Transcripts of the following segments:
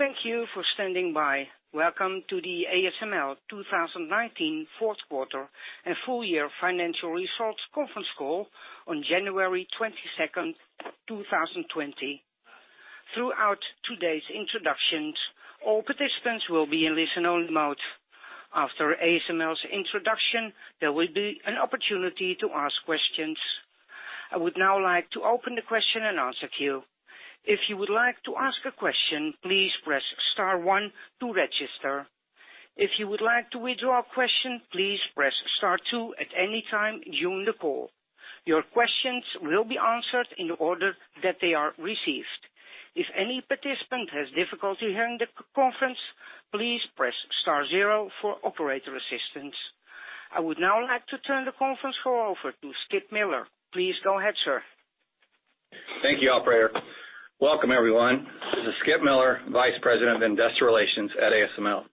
Thank you for standing by. Welcome to the ASML 2019 fourth quarter and full year financial results conference call on January 22nd, 2020. Throughout today's introductions, all participants will be in listen-only mode. After ASML's introduction, there will be an opportunity to ask questions. I would now like to open the question and answer queue. If you would like to ask a question, please press star one to register. If you would like to withdraw a question, please press star two at any time during the call. Your questions will be answered in the order that they are received. If any participant has difficulty hearing the conference, please press star zero for operator assistance. I would now like to turn the conference call over to Skip Miller. Please go ahead, sir. Thank you, operator. Welcome everyone. This is Skip Miller, Vice President of Investor Relations at ASML.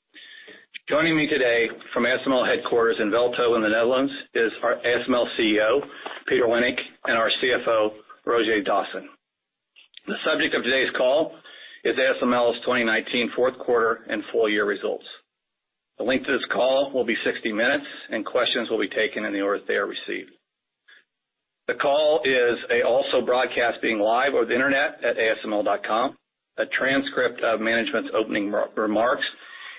Joining me today from ASML headquarters in Veldhoven in the Netherlands is our ASML Chief Executive Officer, Peter Wennink, and our Chief Financial Officer, Roger Dassen. The subject of today's call is ASML's 2019 fourth quarter and full year results. The length of this call will be 60 minutes, and questions will be taken in the order they are received. The call is also broadcasting live over the internet at asml.com. A transcript of management's opening remarks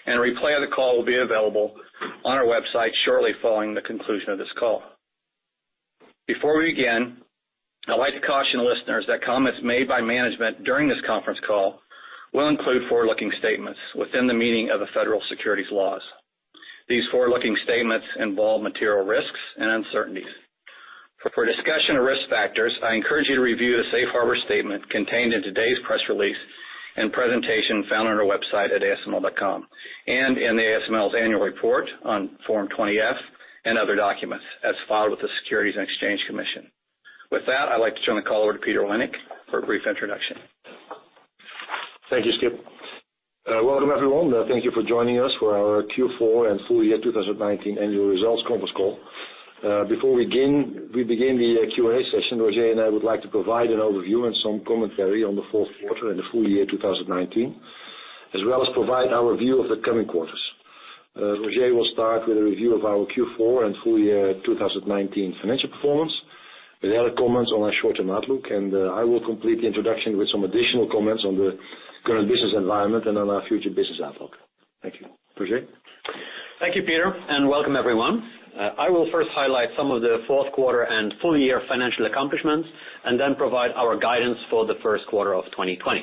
and a replay of the call will be available on our website shortly following the conclusion of this call. Before we begin, I'd like to caution listeners that comments made by management during this conference call will include forward-looking statements within the meaning of the federal securities laws. These forward-looking statements involve material risks and uncertainties. For a discussion of risk factors, I encourage you to review the safe harbor statement contained in today's press release and presentation found on our website at asml.com, and in ASML's annual report on Form 20-F and other documents as filed with the Securities and Exchange Commission. With that, I'd like to turn the call over to Peter Wennink for a brief introduction. Thank you, Skip. Welcome everyone. Thank you for joining us for our Q4 and full year 2019 annual results conference call. Before we begin the Q&A session, Roger and I would like to provide an overview and some commentary on the fourth quarter and the full year 2019, as well as provide our view of the coming quarters. Roger will start with a review of our Q4 and full year 2019 financial performance, with other comments on our short-term outlook, and I will complete the introduction with some additional comments on the current business environment and on our future business outlook. Thank you. Roger. Thank you, Peter, and welcome everyone. I will first highlight some of the fourth quarter and full year financial accomplishments, then provide our guidance for the first quarter of 2020.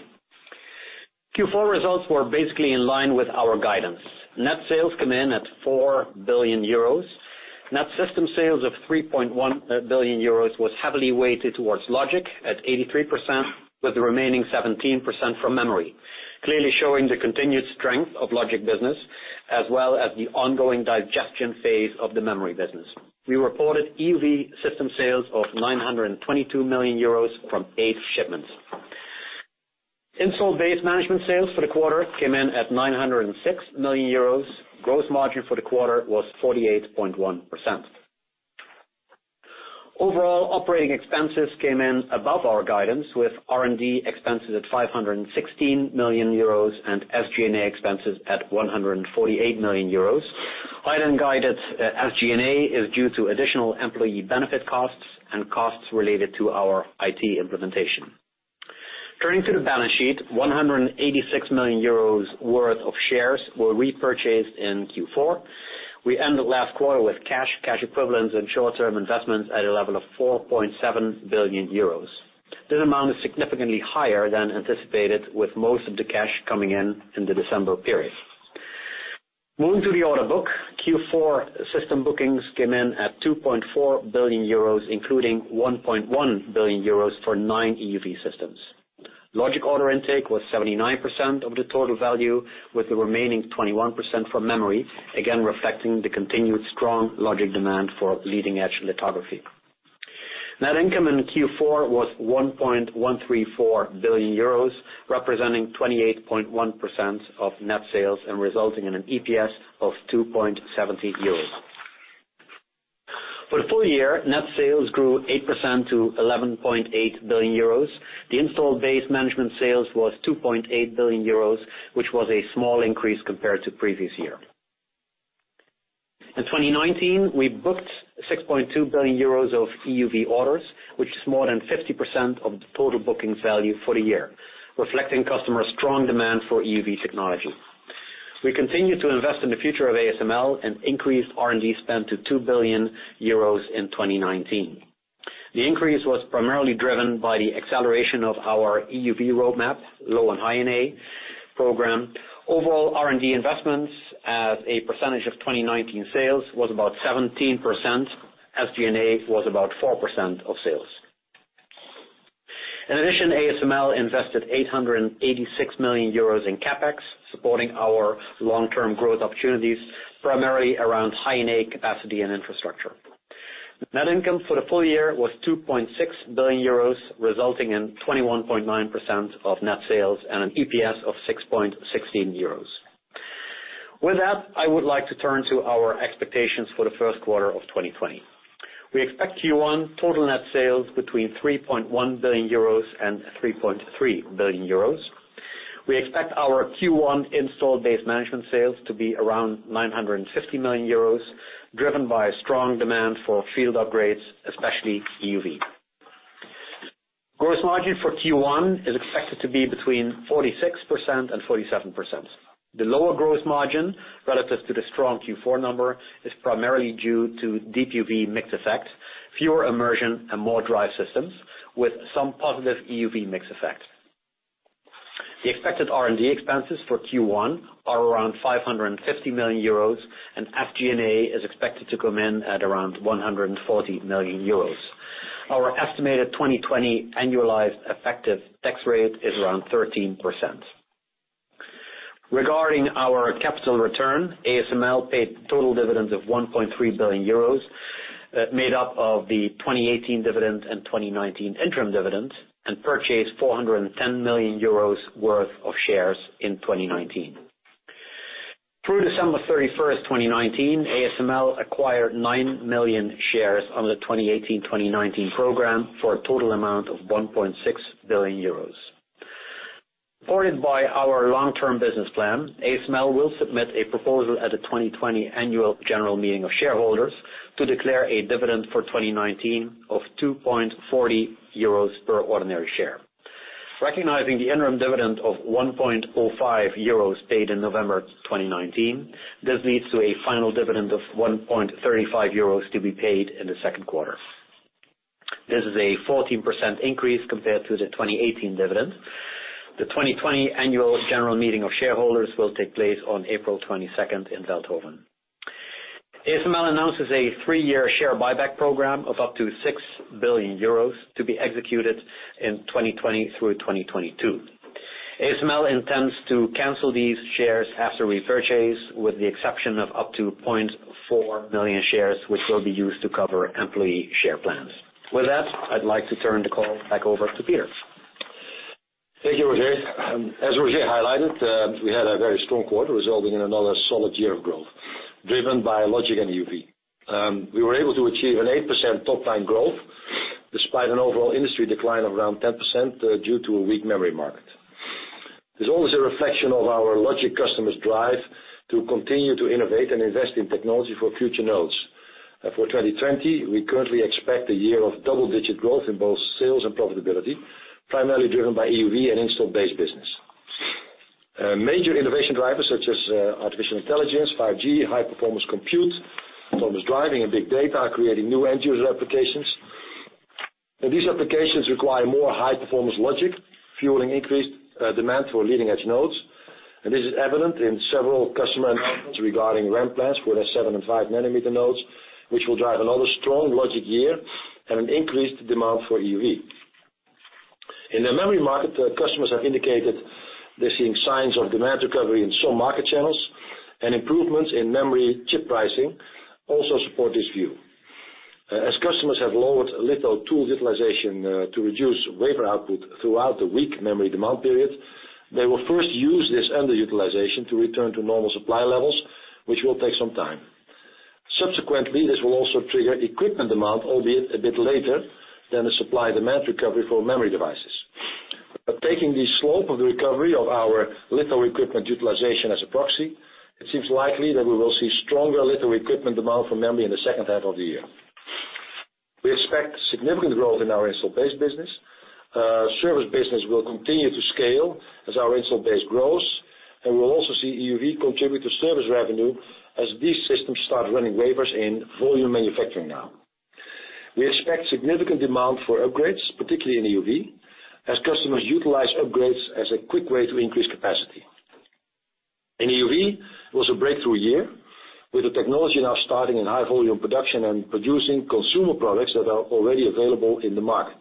Q4 results were basically in line with our guidance. Net sales come in at 4 billion euros. Net system sales of 3.1 billion euros was heavily weighted towards logic at 83%, with the remaining 17% from memory, clearly showing the continued strength of logic business, as well as the ongoing digestion phase of the memory business. We reported EUV system sales of 922 million euros from eight shipments. Installed base management sales for the quarter came in at 906 million euros. Gross margin for the quarter was 48.1%. Overall operating expenses came in above our guidance, with R&D expenses at 516 million euros and SG&A expenses at 148 million euros. Higher-than-guided SG&A is due to additional employee benefit costs and costs related to our IT implementation. Turning to the balance sheet, 186 million euros worth of shares were repurchased in Q4. We ended last quarter with cash equivalents, and short-term investments at a level of 4.7 billion euros. This amount is significantly higher than anticipated, with most of the cash coming in in the December period. Moving to the order book, Q4 system bookings came in at 2.4 billion euros, including 1.1 billion euros for nine EUV systems. Logic order intake was 79% of the total value, with the remaining 21% from memory, again reflecting the continued strong logic demand for leading-edge lithography. Net income in Q4 was 1.134 billion euros, representing 28.1% of net sales and resulting in an EPS of 2.70 euros. For the full year, net sales grew 8% to 11.8 billion euros. The installed base management sales was 2.8 billion euros, which was a small increase compared to previous year. In 2019, we booked 6.2 billion euros of EUV orders, which is more than 50% of the total booking value for the year, reflecting customer strong demand for EUV technology. We continue to invest in the future of ASML and increased R&D spend to 2 billion euros in 2019. The increase was primarily driven by the acceleration of our EUV roadmap, low-NA and High-NA program. Overall, R&D investments as a percentage of 2019 sales was about 17%. SG&A was about 4% of sales. In addition, ASML invested 886 million euros in CapEx, supporting our long-term growth opportunities, primarily around High-NA capacity and infrastructure. Net income for the full year was 2.6 billion euros, resulting in 21.9% of net sales and an EPS of 6.16 euros. With that, I would like to turn to our expectations for the first quarter of 2020. We expect Q1 total net sales between 3.1 billion euros and 3.3 billion euros. We expect our Q1 installed base management sales to be around 950 million euros, driven by strong demand for field upgrades, especially EUV. Gross margin for Q1 is expected to be between 46% and 47%. The lower gross margin relative to the strong Q4 number is primarily due to Deep UV mix effect, fewer immersion, and more dry systems, with some positive EUV mix effect. The expected R&D expenses for Q1 are around 550 million euros, and SG&A is expected to come in at around 140 million euros. Our estimated 2020 annualized effective tax rate is around 13%. Regarding our capital return, ASML paid total dividends of 1.3 billion euros, made up of the 2018 dividend and 2019 interim dividend, and purchased 410 million euros worth of shares in 2019. Through December 31st, 2019, ASML acquired 9 million shares under the 2018/2019 program for a total amount of 1.6 billion euros. Supported by our long-term business plan, ASML will submit a proposal at the 2020 Annual General Meeting of Shareholders to declare a dividend for 2019 of 2.40 euros per ordinary share. Recognizing the interim dividend of 1.05 euros paid in November 2019, this leads to a final dividend of 1.35 euros to be paid in the second quarter. This is a 14% increase compared to the 2018 dividend. The 2020 Annual General Meeting of Shareholders will take place on April 22nd in Veldhoven. ASML announces a three-year share buyback program of up to 6 billion euros to be executed in 2020 through 2022. ASML intends to cancel these shares after we purchase, with the exception of up to 0.4 million shares, which will be used to cover employee share plans. With that, I'd like to turn the call back over to Peter. Thank you, Roger. As Roger highlighted, we had a very strong quarter resulting in another solid year of growth, driven by logic and EUV. We were able to achieve an 8% top-line growth despite an overall industry decline of around 10% due to a weak memory market. This is always a reflection of our logic customers' drive to continue to innovate and invest in technology for future nodes. For 2020, we currently expect a year of double-digit growth in both sales and profitability, primarily driven by EUV and installed base business. Major innovation drivers such as artificial intelligence, 5G, high-performance compute, autonomous driving, and big data are creating new end-user applications. These applications require more high-performance logic, fueling increased demand for leading-edge nodes, this is evident in several customer announcements regarding ramp plans for their 7 and 5 nm nodes, which will drive another strong logic year and an increased demand for EUV. In the memory market, customers have indicated they're seeing signs of demand recovery in some market channels, and improvements in memory chip pricing also support this view. As customers have lowered litho tool utilization to reduce wafer output throughout the weak memory demand period, they will first use this underutilization to return to normal supply levels, which will take some time. Subsequently, this will also trigger equipment demand, albeit a bit later than the supply/demand recovery for memory devices. Taking the slope of the recovery of our litho equipment utilization as a proxy, it seems likely that we will see stronger litho equipment demand for memory in the second half of the year. We expect significant growth in our install base business. Service business will continue to scale as our install base grows, and we'll also see EUV contribute to service revenue as these systems start running wafers in volume manufacturing now. We expect significant demand for upgrades, particularly in EUV, as customers utilize upgrades as a quick way to increase capacity. In EUV, it was a breakthrough year with the technology now starting in high-volume production and producing consumer products that are already available in the market.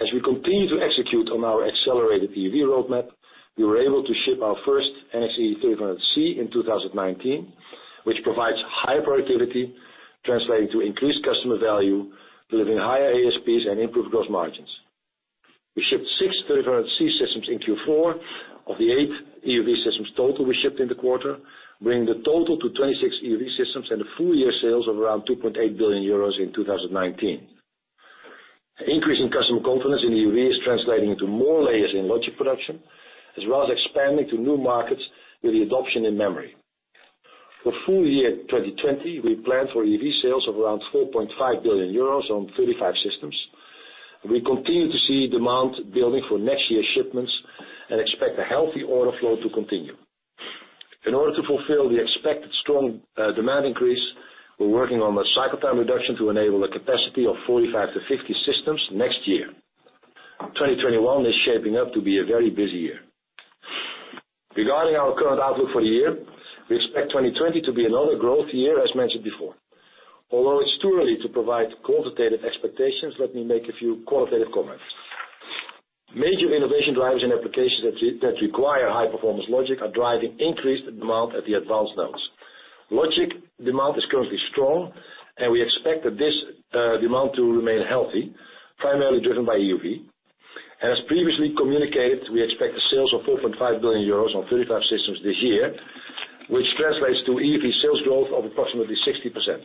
As we continue to execute on our accelerated EUV roadmap, we were able to ship our first NXE:3400C in 2019, which provides high productivity translating to increased customer value, delivering higher ASPs and improved gross margins. We shipped six 3400C systems in Q4 of the eight EUV systems total we shipped in the quarter, bringing the total to 26 EUV systems and a full-year sales of around 2.8 billion euros in 2019. Increase in customer confidence in EUV is translating into more layers in logic production, as well as expanding to new markets with the adoption in memory. For full year 2020, we plan for EUV sales of around 4.5 billion euros on 35 systems. We continue to see demand building for next year's shipments and expect a healthy order flow to continue. In order to fulfill the expected strong demand increase, we're working on the cycle time reduction to enable a capacity of 45 to 50 systems next year. 2021 is shaping up to be a very busy year. Regarding our current outlook for the year, we expect 2020 to be another growth year as mentioned before. Although it's too early to provide quantitative expectations, let me make a few qualitative comments. Major innovation drivers and applications that require high-performance logic are driving increased demand at the advanced nodes. Logic demand is currently strong, we expect that this demand to remain healthy, primarily driven by EUV. As previously communicated, we expect the sales of 4.5 billion euros on 35 systems this year, which translates to EUV sales growth of approximately 60%.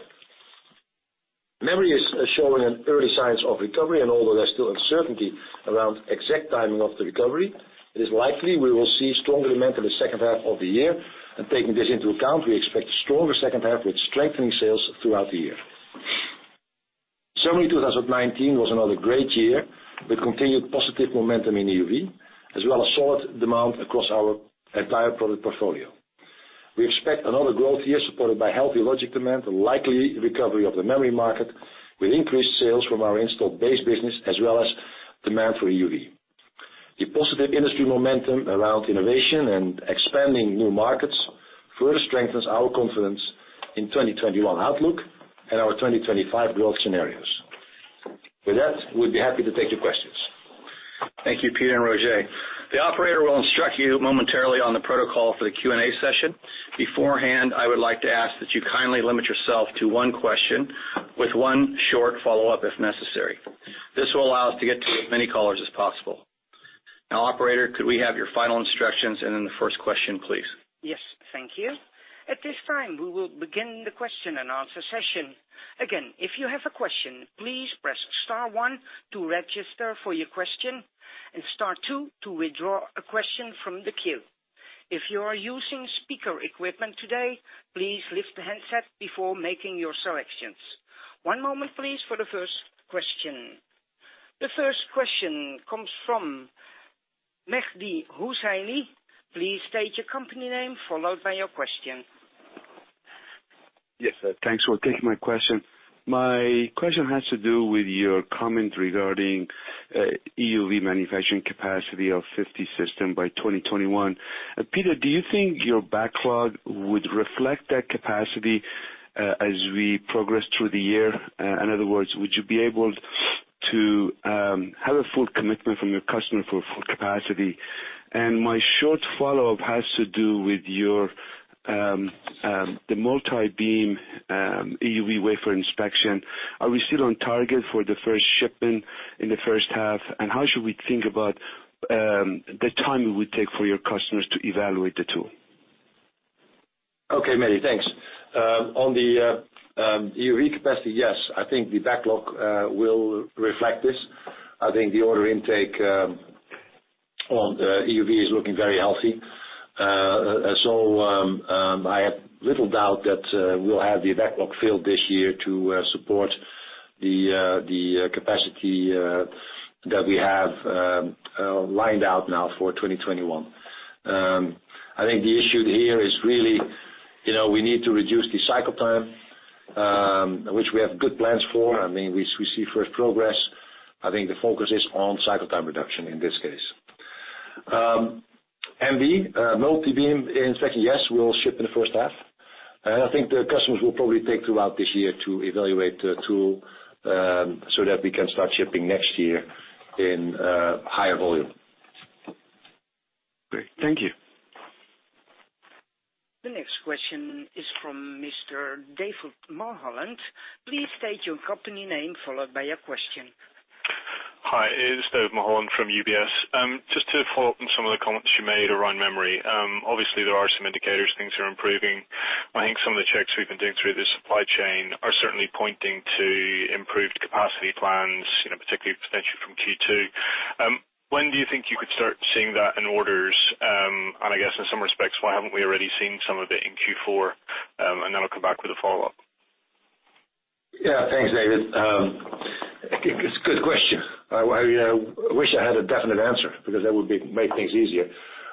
Memory is showing an early signs of recovery, although there's still uncertainty around exact timing of the recovery, it is likely we will see stronger demand in the second half of the year. Taking this into account, we expect a stronger second half with strengthening sales throughout the year. Summer 2019 was another great year with continued positive momentum in EUV, as well as solid demand across our entire product portfolio. We expect another growth year supported by healthy logic demand and likely recovery of the memory market, with increased sales from our installed base business as well as demand for EUV. The positive industry momentum around innovation and expanding new markets further strengthens our confidence in 2021 outlook and our 2025 growth scenarios. With that, we'd be happy to take your questions. Thank you, Peter and Roger. The operator will instruct you momentarily on the protocol for the Q&A session. Beforehand, I would like to ask that you kindly limit yourself to one question with one short follow-up, if necessary. This will allow us to get to as many callers as possible. Now, operator, could we have your final instructions and then the first question, please? Yes. Thank you. At this time, we will begin the question and answer session. Again, if you have a question, please press star one to register for your question and star two to withdraw a question from the queue. If you are using speaker equipment today, please lift the handset before making your selections. One moment please for the first question. The first question comes from Mehdi Hosseini. Please state your company name followed by your question. Yes. Thanks for taking my question. My question has to do with your comment regarding EUV manufacturing capacity of 50 system by 2021. Peter, do you think your backlog would reflect that capacity, as we progress through the year? In other words, would you be able to have a full commitment from your customer for full capacity? My short follow-up has to do with the multi-beam EUV wafer inspection. Are we still on target for the first shipment in the first half? How should we think about the time it would take for your customers to evaluate the tool? Okay, Mehdi. Thanks. On the EUV capacity, yes. I think the backlog will reflect this. I think the order intake on EUV is looking very healthy. I have little doubt that we'll have the backlog filled this year to support the capacity that we have lined out now for 2021. I think the issue here is really, we need to reduce the cycle time, which we have good plans for. We see first progress. I think the focus is on cycle time reduction in this case. MB, multi-beam inspection, yes, we'll ship in the first half. I think the customers will probably take throughout this year to evaluate the tool, so that we can start shipping next year in higher volume. Great. Thank you. The next question is from Mr. David Mulholland. Please state your company name, followed by your question. Hi. It's David Mulholland from UBS. Just to follow up on some of the comments you made around memory. Obviously, there are some indicators things are improving. I think some of the checks we've been doing through the supply chain are certainly pointing to improved capacity plans, particularly potentially from Q2. When do you think you could start seeing that in orders? I guess in some respects, why haven't we already seen some of it in Q4? I'll come back with a follow-up. Thanks, David. It's a good question. I wish I had a definite answer, because that would make things easier.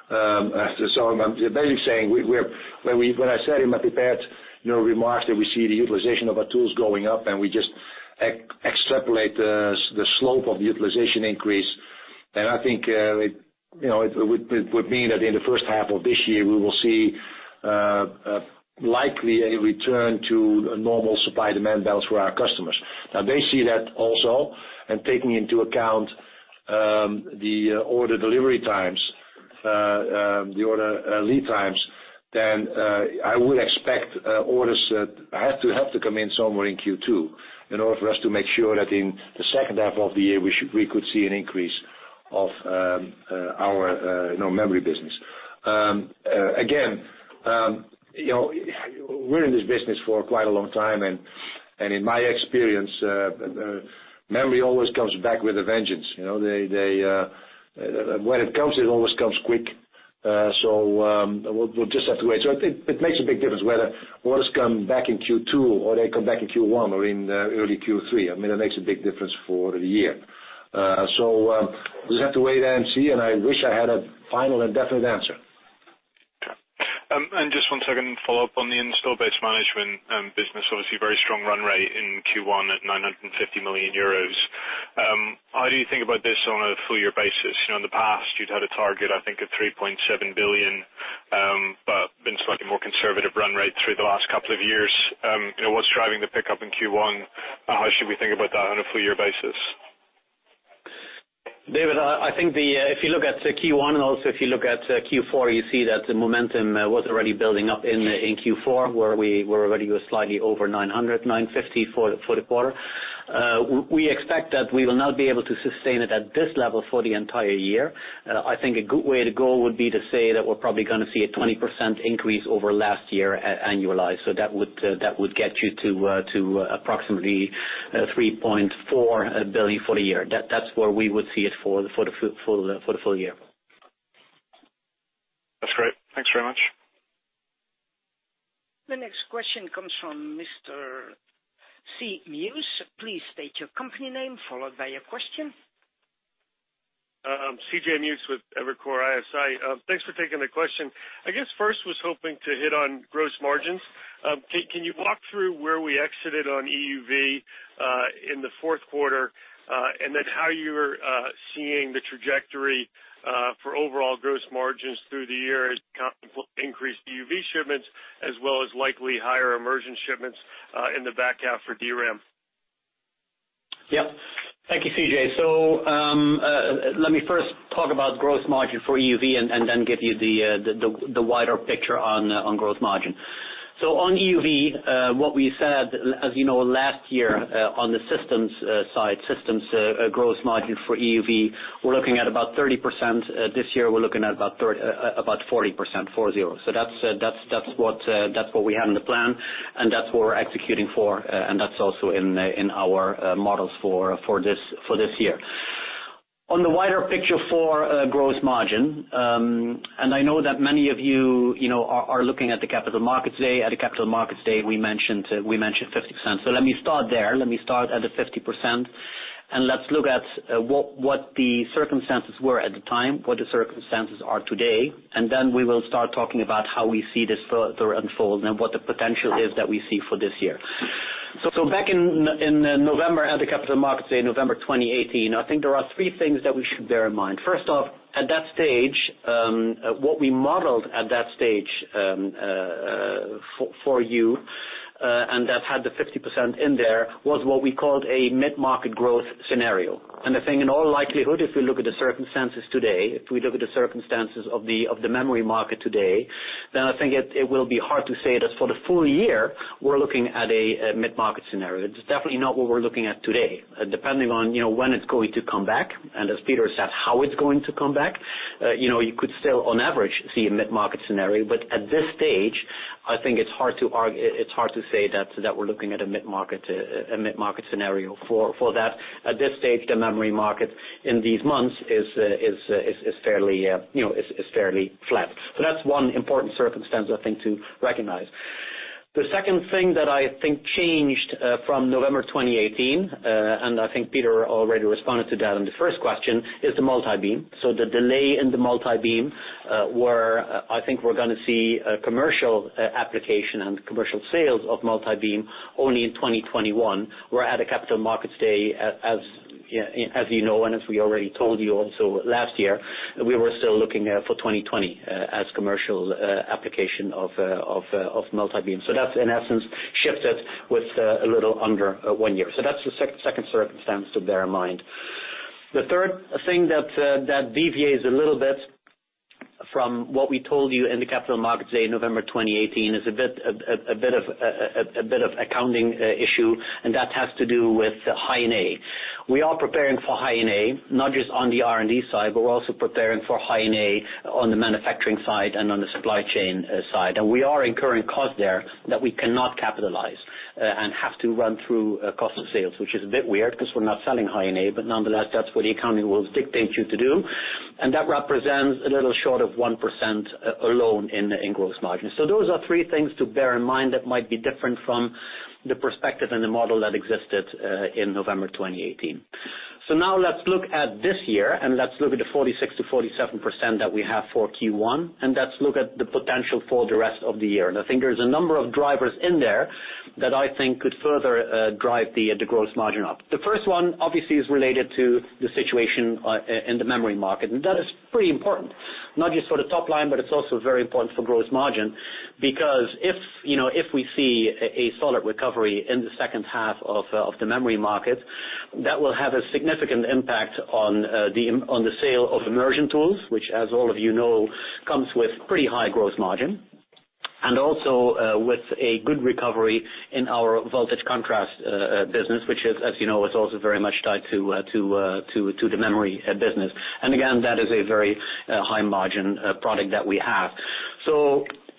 I'm basically saying, when I said in my prepared remarks that we see the utilization of our tools going up and we just extrapolate the slope of utilization increase, I think it would mean that in the first half of this year, we will see likely a return to a normal supply demand balance for our customers. They see that also, and taking into account the order delivery times, the order lead times, I would expect orders that have to come in somewhere in Q2 in order for us to make sure that in the second half of the year, we could see an increase of our memory business. We're in this business for quite a long time. In my experience, memory always comes back with a vengeance. When it comes, it always comes quick. We'll just have to wait. I think it makes a big difference whether orders come back in Q2 or they come back in Q1 or in early Q3. It makes a big difference for the year. We'll have to wait and see. I wish I had a final and definite answer. Just one second follow-up on the install base management business. Obviously, very strong run rate in Q1 at 950 million euros. How do you think about this on a full year basis? In the past, you'd had a target, I think, of 3.7 billion, but been slightly more conservative run rate through the last couple of years. What's driving the pickup in Q1? How should we think about that on a full year basis? David, I think if you look at Q1 and also if you look at Q4, you see that the momentum was already building up in Q4, where we were already slightly over 900, 950 for the quarter. We expect that we will not be able to sustain it at this level for the entire year. I think a good way to go would be to say that we're probably going to see a 20% increase over last year annualized. That would get you to approximately 3.4 billion for the year. That's where we would see it for the full year. That's great. Thanks very much. The next question comes from Mr. CJ Muse. Please state your company name followed by your question. CJ Muse with Evercore ISI. Thanks for taking the question. I guess first was hoping to hit on gross margins. Can you walk through where we exited on EUV in the fourth quarter, and then how you're seeing the trajectory for overall gross margins through the year as you contemplate increased EUV shipments as well as likely higher immersion shipments in the back half for DRAM? Yeah. Thank you, CJ Let me first talk about gross margin for EUV and then give you the wider picture on gross margin. On EUV, what we said, as you know, last year on the systems side, systems gross margin for EUV, we're looking at about 30%. This year we're looking at about 40%. That's what we had in the plan, and that's what we're executing for, and that's also in our models for this year. On the wider picture for gross margin, and I know that many of you are looking at the Capital Markets Day. At the Capital Markets Day, we mentioned 50%. Let me start there. Let me start at the 50%. Let's look at what the circumstances were at the time, what the circumstances are today. Then we will start talking about how we see this further unfold and what the potential is that we see for this year. Back in November at the Capital Markets Day in November 2018, I think there are three things that we should bear in mind. First off, at that stage, what we modeled at that stage for you, and that had the 50% in there, was what we called a mid-market growth scenario. I think in all likelihood, if we look at the circumstances today, if we look at the circumstances of the memory market today, I think it will be hard to say that for the full year, we're looking at a mid-market scenario. It's definitely not what we're looking at today. Depending on when it's going to come back, and as Peter said, how it's going to come back, you could still on average see a mid-market scenario. At this stage, I think it's hard to say that we're looking at a mid-market scenario for that. At this stage, the memory market in these months is fairly flat. That's one important circumstance, I think, to recognize. The second thing that I think changed from November 2018, I think Peter already responded to that in the first question, is the multi-beam. The delay in the multi-beam, where I think we're going to see a commercial application and commercial sales of multi-beam only in 2021. Where at the Capital Markets Day as you know and as we already told you also last year, we were still looking for 2020 as commercial application of multi-beam. That's in essence shifted with a little under one year. That's the second circumstance to bear in mind. The third thing that deviates a little bit from what we told you in the Capital Markets Day November 2018 is a bit of accounting issue, and that has to do with High-NA. We are preparing for High-NA, not just on the R&D side, but we're also preparing for High-NA on the manufacturing side and on the supply chain side. We are incurring cost there that we cannot capitalize and have to run through cost of sales, which is a bit weird because we're not selling High-NA, but nonetheless, that's what the accounting rules dictate you to do. That represents a little short of 1% alone in gross margin. Those are three things to bear in mind that might be different from the perspective and the model that existed in November 2018. Now let's look at this year, and let's look at the 46%-47% that we have for Q1, and let's look at the potential for the rest of the year. I think there's a number of drivers in there that I think could further drive the gross margin up. The first one obviously is related to the situation in the memory market. That is pretty important, not just for the top line, but it's also very important for gross margin because if we see a solid recovery in the second half of the memory market, that will have a significant impact on the sale of immersion tools, which as all of you know, comes with pretty high gross margin. Also with a good recovery in our voltage contrast business, which is, as you know, is also very much tied to the memory business. Again, that is a very high-margin product that we have.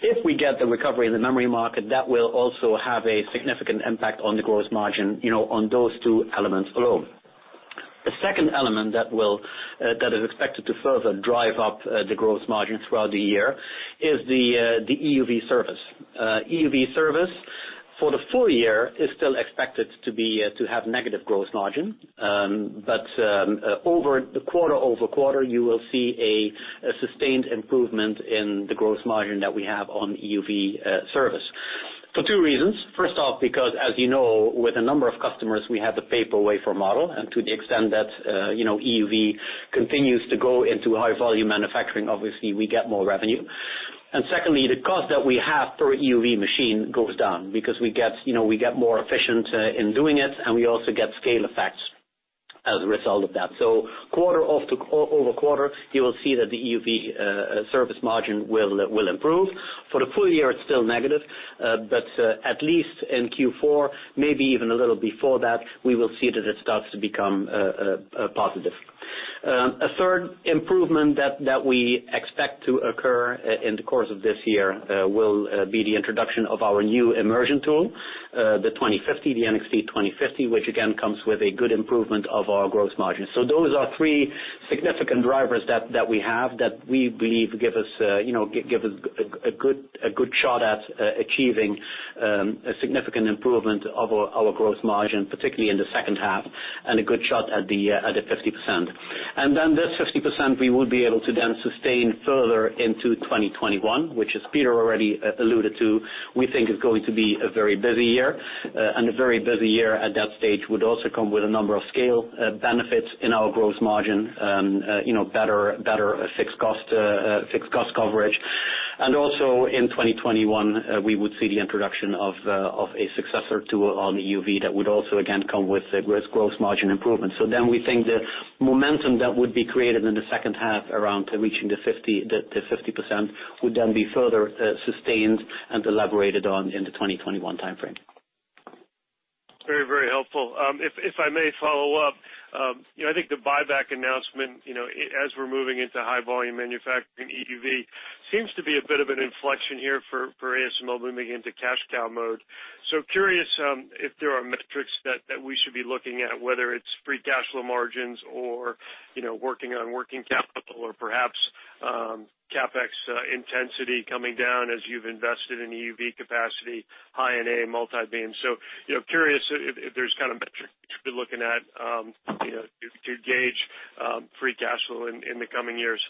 If we get the recovery in the memory market, that will also have a significant impact on the gross margin on those two elements alone. The second element that is expected to further drive up the gross margin throughout the year is the EUV service. EUV service for the full year is still expected to have negative gross margin. Quarter-over-quarter, you will see a sustained improvement in the gross margin that we have on EUV service for two reasons. First off, because as you know, with a number of customers, we have the pay per wafer model, and to the extent that EUV continues to go into high volume manufacturing, obviously we get more revenue. Secondly, the cost that we have per EUV machine goes down because we get more efficient in doing it, and we also get scale effects. As a result of that. Quarter-over-quarter, you will see that the EUV service margin will improve. For the full year, it's still negative, at least in Q4, maybe even a little before that, we will see that it starts to become positive. A third improvement that we expect to occur in the course of this year will be the introduction of our new immersion tool, the TWINSCAN NXT:2050i, which again comes with a good improvement of our gross margin. Those are three significant drivers that we have that we believe give us a good shot at achieving a significant improvement of our gross margin, particularly in the second half, and a good shot at the 50%. This 50%, we would be able to then sustain further into 2021, which, as Peter already alluded to, we think is going to be a very busy year. A very busy year at that stage would also come with a number of scale benefits in our gross margin, better fixed cost coverage. Also in 2021, we would see the introduction of a successor tool on EUV that would also again come with gross margin improvement. We think the momentum that would be created in the second half around reaching the 50% would then be further sustained and elaborated on in the 2021 timeframe. Very helpful. If I may follow up, I think the buyback announcement, as we're moving into high volume manufacturing EUV, seems to be a bit of an inflection here for ASML moving into cash cow mode. Curious if there are metrics that we should be looking at, whether it's free cash flow margins or working on working capital or perhaps CapEx intensity coming down as you've invested in EUV capacity, High-NA multi-beam. Curious if there's kind of metric we should be looking at to gauge free cash flow in the coming years.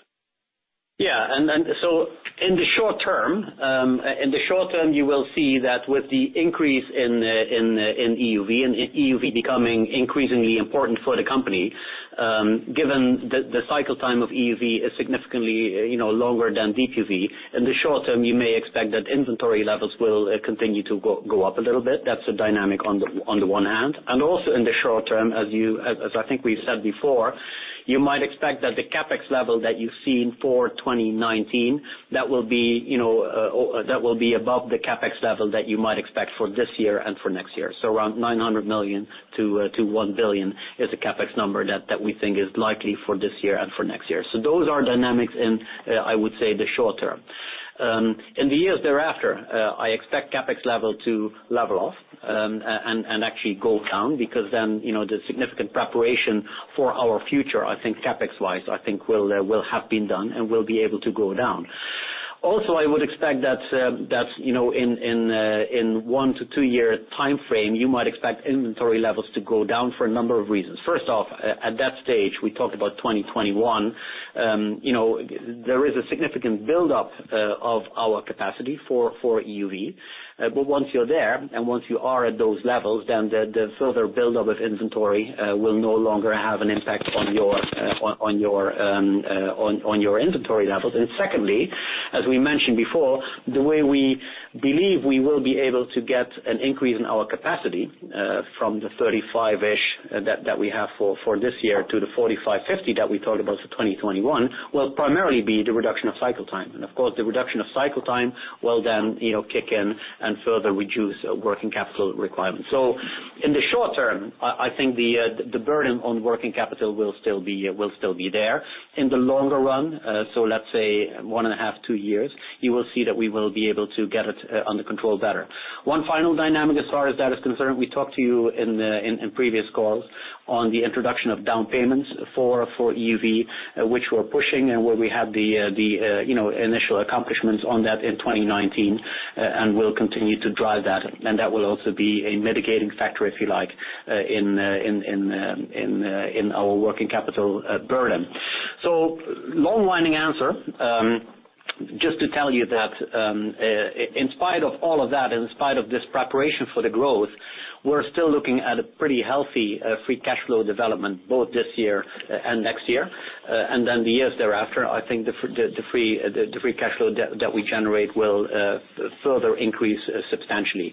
In the short term, you will see that with the increase in EUV and EUV becoming increasingly important for the company, given the cycle time of EUV is significantly longer than DUV. In the short term, you may expect that inventory levels will continue to go up a little bit. That's the dynamic on the one hand. Also in the short term, as I think we've said before, you might expect that the CapEx level that you've seen for 2019, that will be above the CapEx level that you might expect for this year and for next year. Around 900 million to 1 billion is the CapEx number that we think is likely for this year and for next year. Those are dynamics in, I would say, the short term. In the years thereafter, I expect CapEx level to level off and actually go down because then, the significant preparation for our future, I think CapEx-wise, I think will have been done and will be able to go down. Also, I would expect that in one to two-year timeframe, you might expect inventory levels to go down for a number of reasons. First off, at that stage, we talk about 2021. There is a significant buildup of our capacity for EUV. Once you're there, and once you are at those levels, then the further buildup of inventory will no longer have an impact on your inventory levels. Secondly, as we mentioned before, the way we believe we will be able to get an increase in our capacity from the 35-ish that we have for this year to the 45-50 that we talked about for 2021, will primarily be the reduction of cycle time. Of course, the reduction of cycle time will then kick in and further reduce working capital requirements. In the short term, I think the burden on working capital will still be there. In the longer run, so let's say one and a half, two years, you will see that we will be able to get it under control better. One final dynamic as far as that is concerned, we talked to you in previous calls on the introduction of down payments for EUV, which we're pushing and where we had the initial accomplishments on that in 2019. We'll continue to drive that. That will also be a mitigating factor, if you like, in our working capital burden. Long-winding answer, just to tell you that in spite of all of that, in spite of this preparation for the growth, we're still looking at a pretty healthy free cash flow development both this year and next year. The years thereafter, I think the free cash flow that we generate will further increase substantially.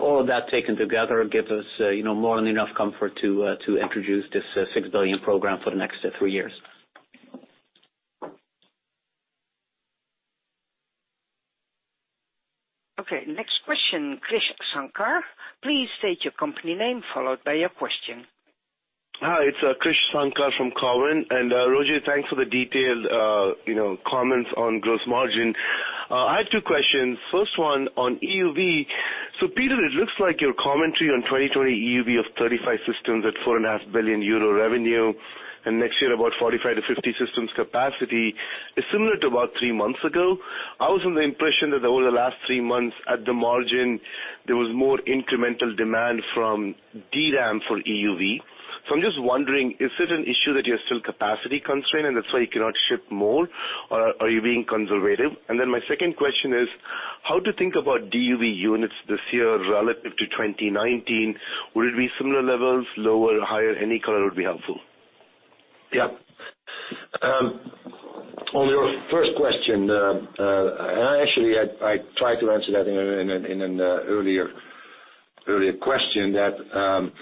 All of that taken together give us more than enough comfort to introduce this 6 billion program for the next three years. Okay, next question, Krish Sankar. Please state your company name followed by your question. Hi, it's Krish Sankar from Cowen, Roger, thanks for the detailed comments on gross margin. I have two questions. First one on EUV. Peter, it looks like your commentary on 2020 EUV of 35 systems at 4.5 billion euro revenue, and next year about 45-50 systems capacity is similar to about three months ago. I was under the impression that over the last three months at the margin, there was more incremental demand from DRAM for EUV. I'm just wondering, is it an issue that you're still capacity constrained and that's why you cannot ship more, or are you being conservative? My second question is, how to think about DUV units this year relative to 2019. Would it be similar levels, lower, higher? Any color would be helpful. Yeah. On your first question, actually, I tried to answer that in an earlier question, that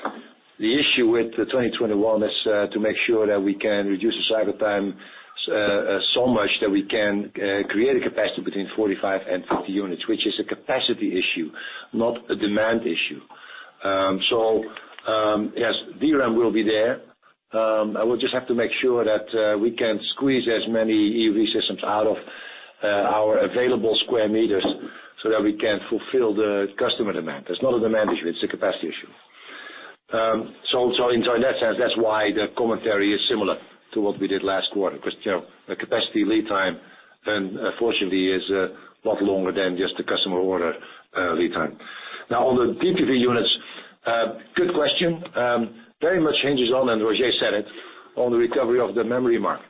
the issue with 2021 is to make sure that we can reduce the cycle time so much that we can create a capacity between 45 and 50 units, which is a capacity issue, not a demand issue. Yes, DRAM will be there. We just have to make sure that we can squeeze as many EUV systems out of our available square meters so that we can fulfill the customer demand. It's not a demand issue, it's a capacity issue. In that sense, that's why the commentary is similar to what we did last quarter, because the capacity lead time, unfortunately, is a lot longer than just the customer order lead time. Now, on the DUV units, good question. Very much hinges on, and Roger said it, on the recovery of the memory market.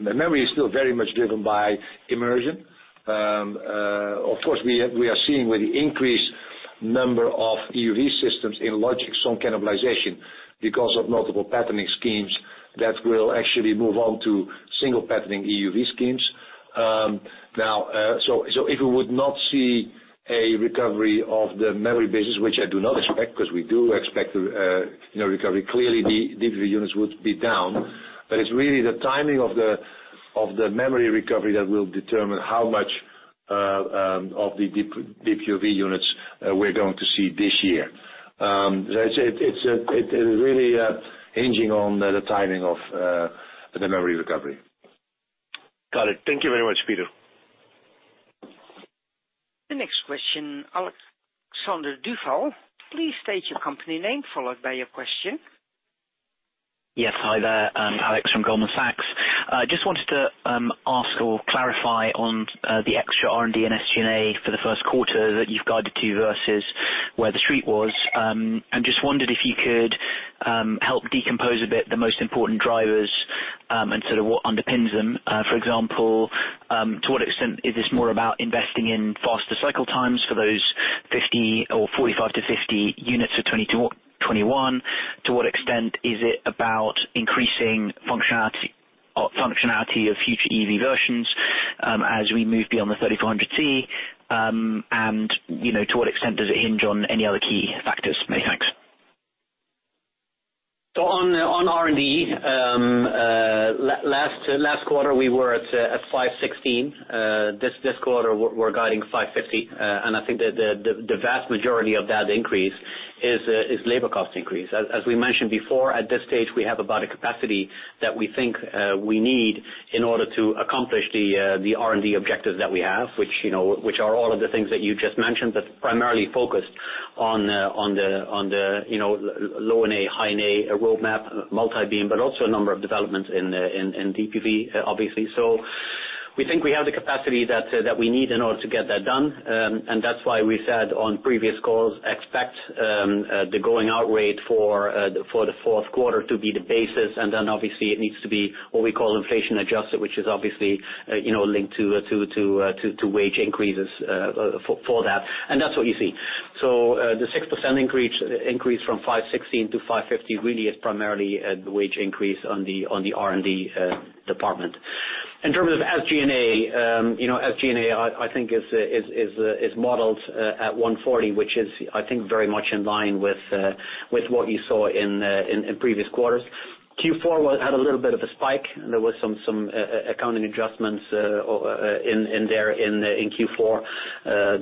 Memory is still very much driven by immersion. Of course, we are seeing with the increased number of EUV systems in logic, some cannibalization because of multiple patterning schemes that will actually move on to single patterning EUV schemes. If we would not see a recovery of the memory business, which I do not expect, because we do expect a recovery, clearly the DUV units would be down. It's really the timing of the memory recovery that will determine how much of the DUV units we're going to see this year. It is really hinging on the timing of the memory recovery. Got it. Thank you very much, Peter. The next question, Alexander Duval. Please state your company name, followed by your question. Yes. Hi there. Alexander from Goldman Sachs. I just wanted to ask or clarify on the extra R&D and SG&A for the first quarter that you've guided to versus where the street was. I'm just wondered if you could help decompose a bit the most important drivers and sort of what underpins them. For example, to what extent is this more about investing in faster cycle times for those 50 or 45 to 50 units for 2020 to 2021? To what extent is it about increasing functionality of future EUV versions as we move beyond the 3,400C? To what extent does it hinge on any other key factors? Many thanks. On R&D, last quarter, we were at 516. This quarter, we're guiding 550. I think the vast majority of that increase is labor cost increase. As we mentioned before, at this stage, we have about a capacity that we think we need in order to accomplish the R&D objectives that we have, which are all of the things that you just mentioned, but primarily focused on the low-NA, High-NA roadmap, multi-beam, but also a number of developments in DUV, obviously. We think we have the capacity that we need in order to get that done, and that's why we said on previous calls, expect the going-out rate for the fourth quarter to be the basis, and then obviously it needs to be what we call inflation-adjusted, which is obviously linked to wage increases for that. That's what you see. The 6% increase from 516 to 550 really is primarily the wage increase on the R&D department. In terms of SG&A, I think is modeled at 140, which is, I think, very much in line with what you saw in previous quarters. Q4 had a little bit of a spike, and there was some accounting adjustments in there in Q4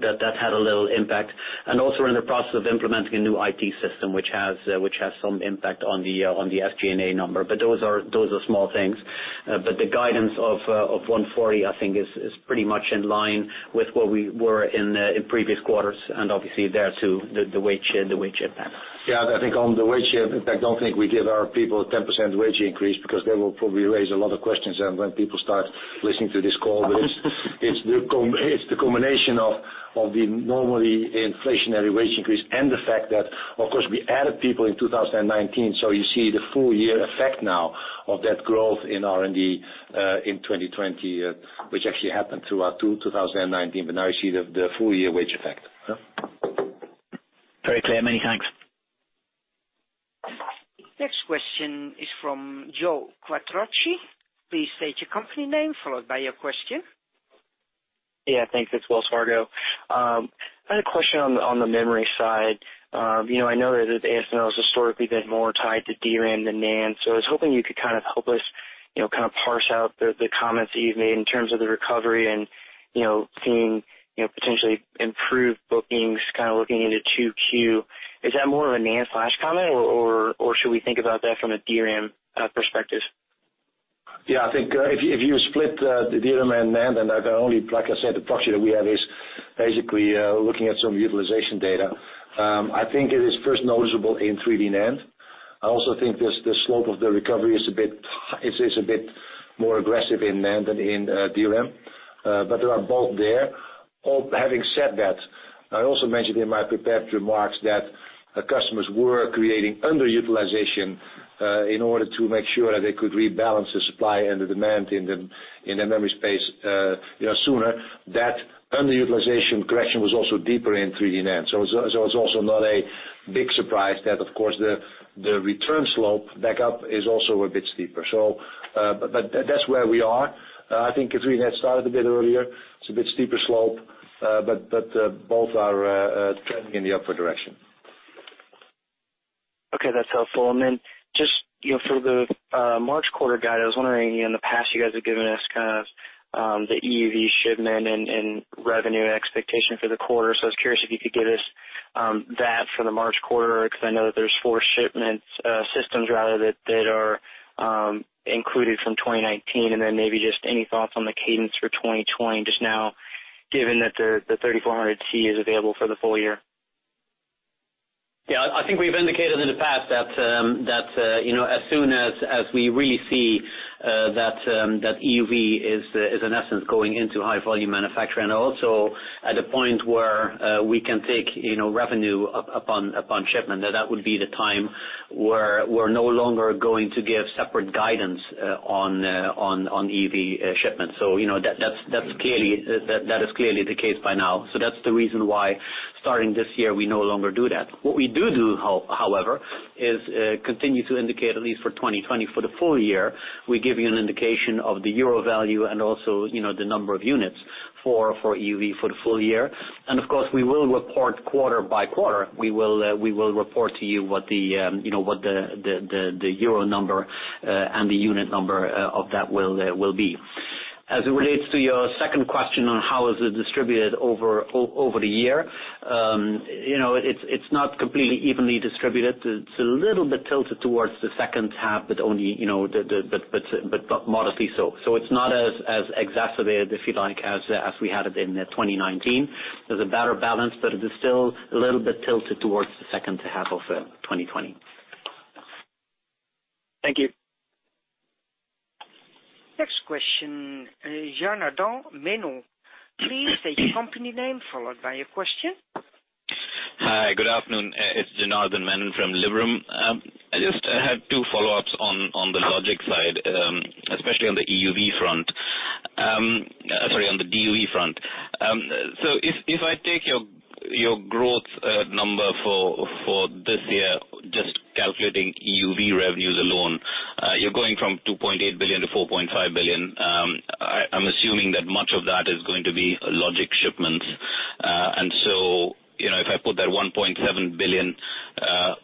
that had a little impact. Also we're in the process of implementing a new IT system, which has some impact on the SG&A number. Those are small things. The guidance of 140, I think, is pretty much in line with where we were in previous quarters, and obviously there too, the wage impact. Yeah. I think on the wage, in fact, I don't think we give our people 10% wage increase because that will probably raise a lot of questions when people start listening to this call. It's the combination of the normally inflationary wage increase and the fact that, of course, we added people in 2019, so you see the full-year effect now of that growth in R&D in 2020, which actually happened throughout 2019. Now you see the full-year wage effect. Very clear. Many thanks. Next question is from Joe Quatrochi. Please state your company name, followed by your question. Yeah, thanks. It's Wells Fargo. I had a question on the memory side. I know that ASML has historically been more tied to DRAM than NAND. I was hoping you could kind of help us kind of parse out the comments that you've made in terms of the recovery and seeing potentially improved bookings kind of looking into 2Q. Is that more of a NAND flash comment, or should we think about that from a DRAM perspective? Yeah. I think if you split the DRAM and NAND, and like I said, the proxy that we have is basically looking at some utilization data. I think it is first noticeable in 3D NAND. I also think the slope of the recovery is a bit more aggressive in NAND than in DRAM. They are both there. Having said that, I also mentioned in my prepared remarks that customers were creating underutilization in order to make sure that they could rebalance the supply and the demand in the memory space sooner. That underutilization correction was also deeper in 3D NAND. I was also not able. Big surprise that, of course, the return slope back up is also a bit steeper. That's where we are. I think if we had started a bit earlier, it's a bit steeper slope, but both are trending in the upward direction. Okay, that's helpful. Just for the March quarter guide, I was wondering, in the past, you guys have given us the EUV shipment and revenue expectation for the quarter. I was curious if you could give us that for the March quarter, because I know that there's four systems that are included from 2019. Maybe just any thoughts on the cadence for 2020 just now, given that the 3400C is available for the full year. Yeah, I think we've indicated in the past that as soon as we really see that EUV is in essence going into high volume manufacturing, and also at a point where we can take revenue upon shipment, that would be the time where we're no longer going to give separate guidance on EUV shipments. That is clearly the case by now. That's the reason why starting this year, we no longer do that. What we do, however, is continue to indicate, at least for 2020, for the full year, we give you an indication of the euro value and also the number of units for EUV for the full year. Of course, we will report quarter by quarter. We will report to you what the euro number and the unit number of that will be. As it relates to your second question on how is it distributed over the year. It's not completely evenly distributed. It's a little bit tilted towards the second half, but modestly so. It's not as exacerbated, if you like, as we had it in 2019. There's a better balance, but it is still a little bit tilted towards the second half of 2020. Thank you. Next question, Janardan Menon. Please state your company name followed by your question. Hi, good afternoon. It's Janardan Menon from Liberum. I just have two follow-ups on the logic side, especially on the EUV front. Sorry, on the DUV front. If I take your growth number for this year, just calculating EUV revenues alone, you're going from 2.8 billion to 4.5 billion. If I put that 1.7 billion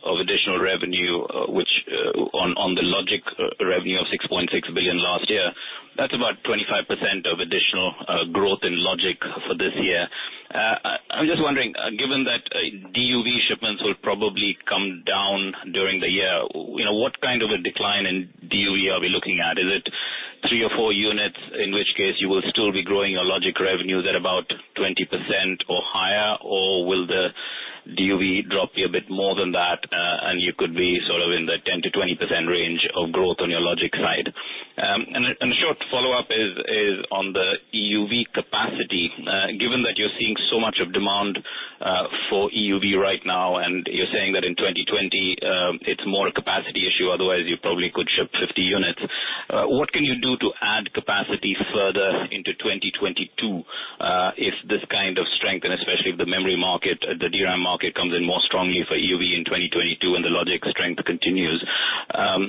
of additional revenue, which on the logic revenue of 6.6 billion last year, that's about 25% of additional growth in logic for this year. I'm just wondering, given that DUV shipments will probably come down during the year, what kind of a decline in DUV are we looking at? Is it three or four units? In which case you will still be growing your logic revenues at about 20% or higher? Will the DUV drop you a bit more than that, and you could be sort of in the 10%-20% range of growth on your logic side? A short follow-up is on the EUV capacity. Given that you're seeing so much demand for EUV right now, and you're saying that in 2020, it's more a capacity issue, otherwise you probably could ship 50 units. What can you do to add capacity further into 2022? If this kind of strength, and especially if the memory market, the DRAM market comes in more strongly for EUV in 2022 and the logic strength continues.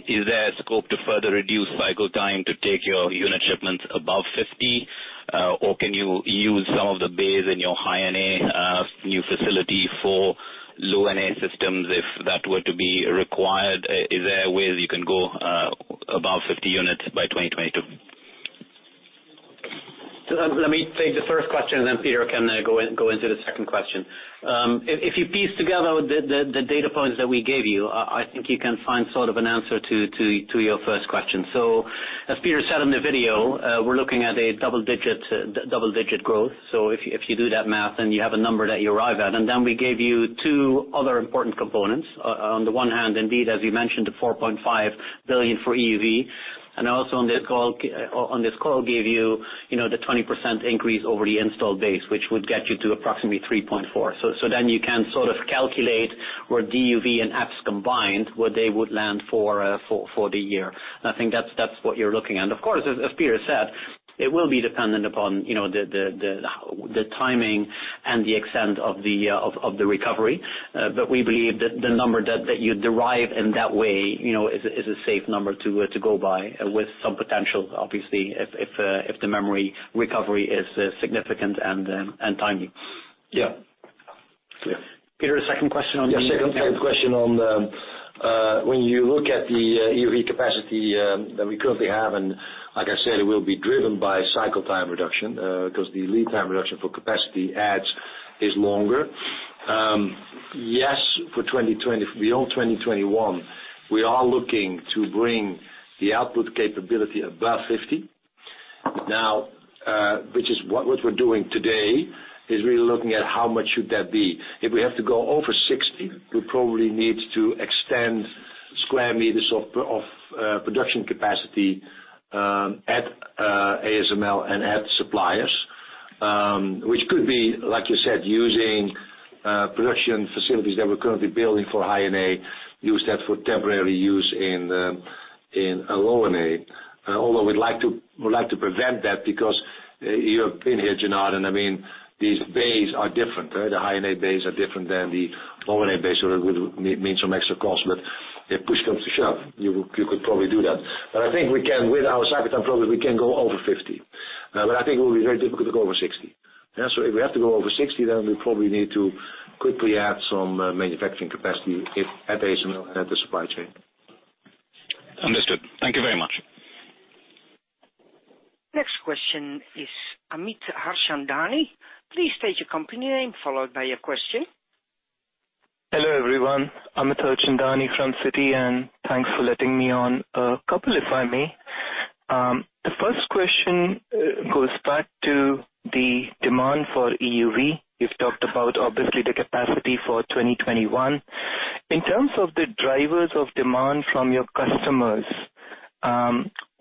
Is there a scope to further reduce cycle time to take your unit shipments above 50? Can you use some of the bays in your High-NA new facility for low-NA systems if that were to be required? Is there a way that you can go above 50 units by 2022? Let me take the first question, and then Peter can go into the second question. If you piece together the data points that we gave you, I think you can find sort of an answer to your first question. As Peter said in the video, we're looking at a double-digit growth. If you do that math, then you have a number that you arrive at. Then we gave you two other important components. On the one hand, indeed, as you mentioned, the 4.5 billion for EUV. Also on this call, gave you the 20% increase over the installed base, which would get you to approximately 3.4. Then you can sort of calculate where DUV and apps combined, where they would land for the year. I think that's what you're looking at. Of course, as Peter said, it will be dependent upon the timing and the extent of the recovery. We believe that the number that you derive in that way is a safe number to go by with some potential, obviously, if the memory recovery is significant and timely. Yeah. Peter, second question on the- Yeah, second question on when you look at the EUV capacity that we currently have, and like I said, it will be driven by cycle time reduction, because the lead time reduction for capacity adds is longer. Yes, for beyond 2021, we are looking to bring the output capability above 50. Now, which is what we're doing today, is really looking at how much should that be. If we have to go over 60, we probably need to extend square meters of production capacity at ASML and at suppliers, which could be, like you said, using production facilities that we're currently building for High-NA, use that for temporary use in a low-NA. Although we'd like to prevent that because you have been here, Gennady, and these bays are different. The high-NA bays are different than the low-NA bays, so that would mean some extra cost, but if push comes to shove, you could probably do that. I think with our cycle time program, we can go over 50. I think it will be very difficult to go over 60. If we have to go over 60, then we probably need to quickly add some manufacturing capacity at ASML and at the supply chain. Understood. Thank you very much. Next question is Amit Harchandani. Please state your company name followed by your question. Hello, everyone. Amit Harchandani from Citi. Thanks for letting me on. A couple if I may. The first question goes back to the demand for EUV. You've talked about, obviously, the capacity for 2021. In terms of the drivers of demand from your customers,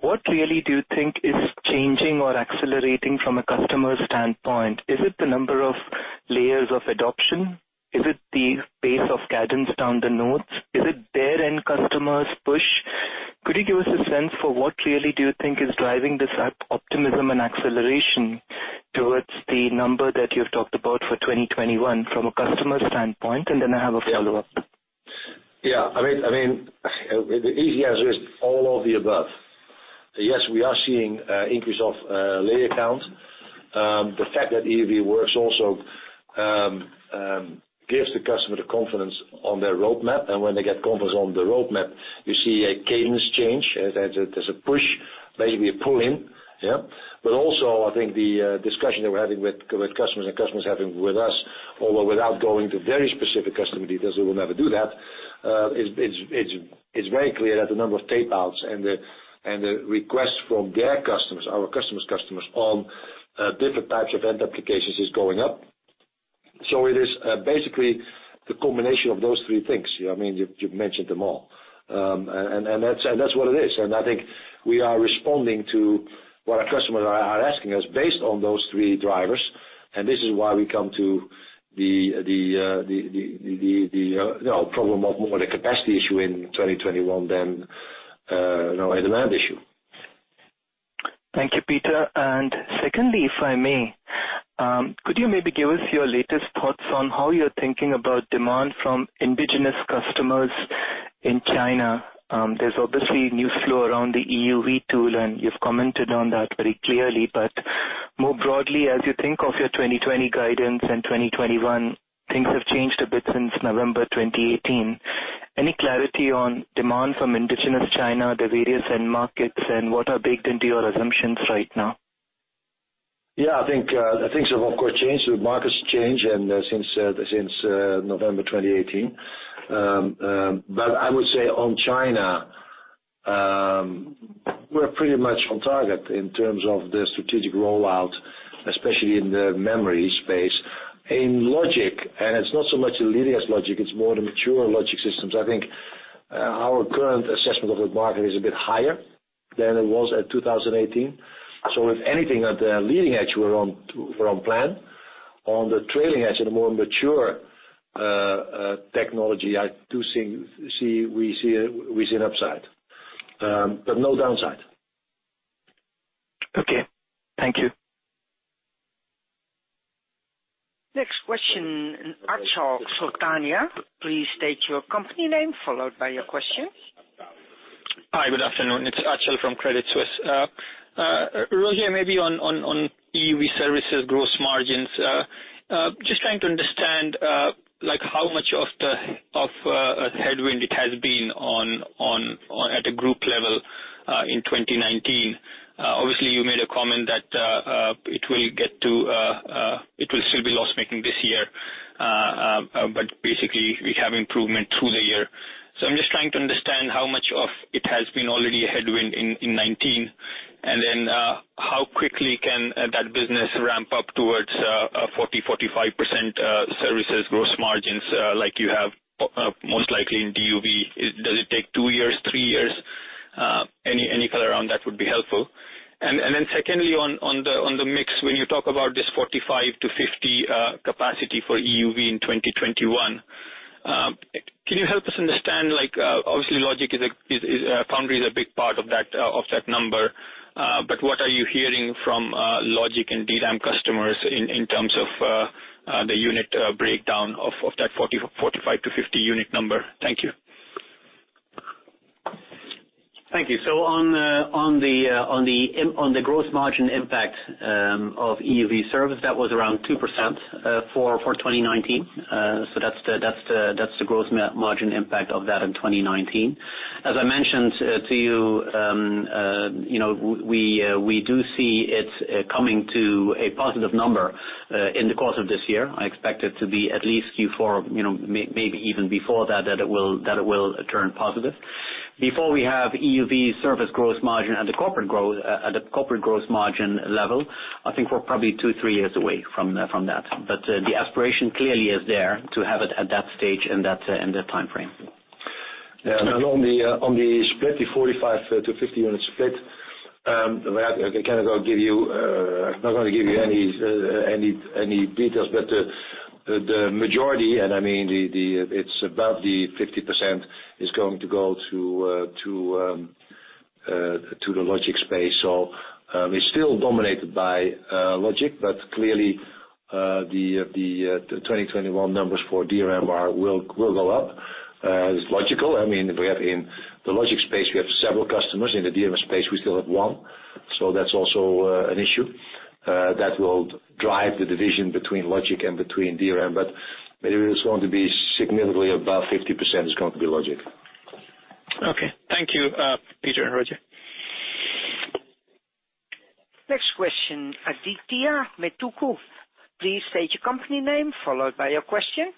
what really do you think is changing or accelerating from a customer standpoint? Is it the number of layers of adoption? Is it the pace of cadence down the nodes? Is it their end customers push? Could you give us a sense for what really do you think is driving this optimism and acceleration towards the number that you've talked about for 2021 from a customer standpoint? I have a follow-up. Yeah. Amit, the easy answer is all of the above. We are seeing increase of layer counts. The fact that EUV works also gives the customer the confidence on their roadmap. When they get confidence on the roadmap, you see a cadence change. There's a push, maybe a pull in. Also, I think the discussion that we're having with customers and customers having with us, although without going to very specific customer details, we will never do that. It's very clear that the number of tape outs and the requests from their customers, our customers' customers, on different types of end applications is going up. It is basically the combination of those three things. You've mentioned them all. That's what it is. I think we are responding to what our customers are asking us based on those three drivers, and this is why we come to the problem of more the capacity issue in 2021 than a land issue. Thank you, Peter. Secondly, if I may, could you maybe give us your latest thoughts on how you're thinking about demand from indigenous customers in China? There's obviously news flow around the EUV tool, and you've commented on that very clearly. More broadly, as you think of your 2020 guidance and 2021, things have changed a bit since November 2018. Any clarity on demand from indigenous China, the various end markets, and what are baked into your assumptions right now? Yeah, I think things have, of course, changed. The market's changed since November 2018. I would say on China, we're pretty much on target in terms of the strategic rollout, especially in the memory space. In logic, it's not so much the leading-edge logic, it's more the mature logic systems. I think our current assessment of the market is a bit higher than it was at 2018. If anything, at the leading edge, we're on plan. On the trailing edge, in a more mature technology, we see an upside. No downside. Okay. Thank you. Next question, Achal Sultania. Please state your company name followed by your question. Hi, good afternoon. It's Achal from Credit Suisse. Roger, maybe on EUV services gross margins. Just trying to understand how much of a headwind it has been at a group level in 2019. Obviously, you made a comment that it will still be loss-making this year, but basically, we have improvement through the year. I'm just trying to understand how much of it has been already a headwind in 2019, and then how quickly can that business ramp up towards a 40%-45% services gross margins like you have most likely in DUV? Does it take two years, three years? Any color around that would be helpful. Secondly, on the mix, when you talk about this 45-50 capacity for EUV in 2021, can you help us understand, obviously foundry is a big part of that number, but what are you hearing from logic and DRAM customers in terms of the unit breakdown of that 45-50 unit number? Thank you. Thank you. On the gross margin impact of EUV service, that was around 2% for 2019. That's the gross margin impact of that in 2019. As I mentioned to you, we do see it coming to a positive number in the course of this year. I expect it to be at least Q4, maybe even before that it will turn positive. Before we have EUV service gross margin at the corporate gross margin level, I think we're probably two, three years away from that. The aspiration clearly is there to have it at that stage in that timeframe. Yeah. On the split, the 45-50 unit split. I cannot give you any details, but the majority, and I mean it's above the 50%, is going to go to the logic space. It's still dominated by logic, but clearly, the 2021 numbers for DRAM will go up. It's logical. In the logic space, we have several customers. In the DRAM space, we still have one. That's also an issue that will drive the division between logic and between DRAM. It is going to be significantly above 50%, it's going to be logic. Okay. Thank you, Peter and Roger. Next question, Adithya Metuku. Please state your company name followed by your question.